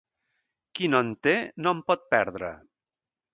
Qui no en té no en pot perdre.